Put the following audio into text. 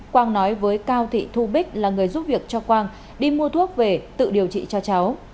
quang nói với cao thị thu bích là người giúp việc cho quang đi mua thuốc về tự điều trị cho cháu